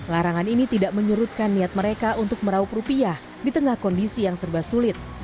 larangan ini tidak menyurutkan niat mereka untuk meraup rupiah di tengah kondisi yang serba sulit